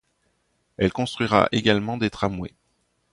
Elle construira également des tramways.